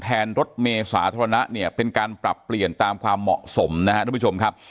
รถเมย์สาธารณะเนี่ยเป็นการปรับเปลี่ยนตามความเหมาะสมนะครับทุกผู้ชมครับ